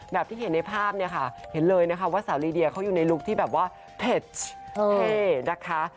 แบบที่เห็นในภาพเนี่ยค่ะเห็นเลยนะคะว่าสาวลีเดียเขาอยู่ในลุคที่แบบว่าเผ็ดเท่นะคะ